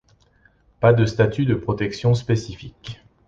Pas de statut de protection spécifique.